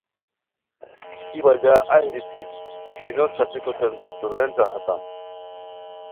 ای بجا ایھہ ریپھی پیشینو ݰپیکوتین ریسٹورنٹہ ہاتام۔